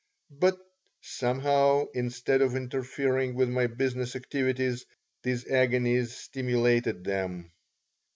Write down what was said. But, somehow, instead of interfering with my business activities, these agonies stimulated them.